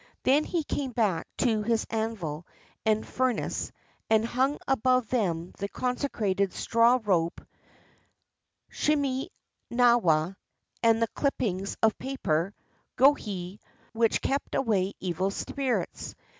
Then he came back to his anvil and fur nace, and himg above them the consecrated straw rope (shime nawa) and the clippings of paper (gohei) which kept away evil spirits.